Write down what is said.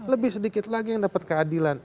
lebih sedikit lagi yang dapat keadilan